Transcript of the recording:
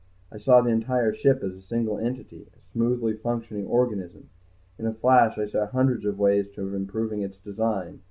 I saw the entire ship as a single entity, a smoothly functioning organism. In a flash I saw a hundred ways of improving its design.